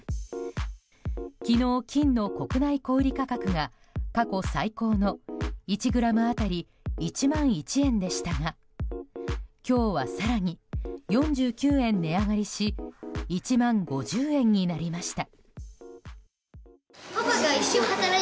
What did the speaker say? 昨日、金の国内小売価格が過去最高の１ｇ当たり１万１円でしたが今日は更に４９円値上がりし１万５０円になりました。